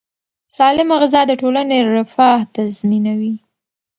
سالمه غذا د ټولنې رفاه تضمینوي.